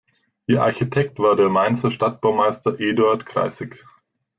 Ihr Architekt war der Mainzer Stadtbaumeister Eduard Kreyßig.